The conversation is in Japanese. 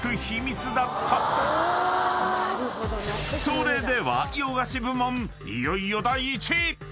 ［それでは洋菓子部門いよいよ第１位！］